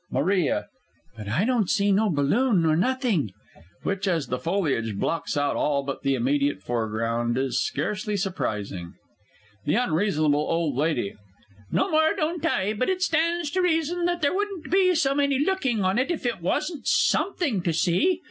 MARIA. But I don't see no balloon nor nothing. [Which, as the foliage blocks out all but the immediate foreground is scarcely surprising. THE U. O. L. No more don't I but it stands to reason there wouldn't be so many looking on if there wasn't something to see.